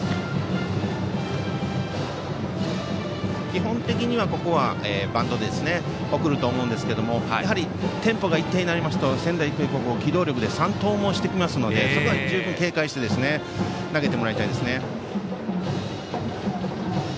基本的にはここはバントで送ると思うんですけれどもテンポが一定になりますと仙台育英高校は機動力で三盗もしてきますのでそこは十分警戒して投げてもらいたいですね。